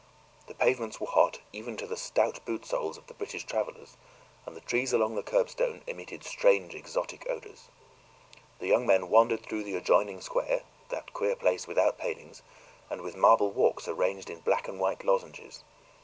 The pavements were hot even to the stout boot soles of the British travelers, and the trees along the curbstone emitted strange exotic odors. The young men wandered through the adjoining square that queer place without palings, and with marble walks arranged in black and white lozenges.